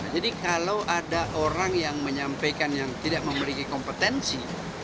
kalau ada orang yang menyampaikan yang tidak memiliki kompetensi